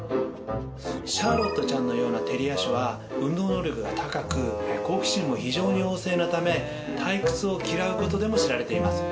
シャーロットちゃんのようなテリア種は運動能力が高く好奇心も非常に旺盛なため退屈を嫌うことでも知られています。